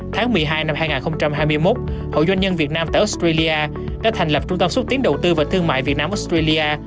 tháng một mươi hai năm hai nghìn hai mươi một hội doanh nhân việt nam tại australia đã thành lập trung tâm xuất tiến đầu tư và thương mại việt nam australia